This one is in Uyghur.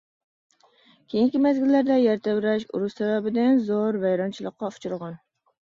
كېيىنكى مەزگىللەردە يەر تەۋرەش، ئۇرۇش سەۋەبىدىن زور ۋەيرانچىلىققا ئۇچرىغان.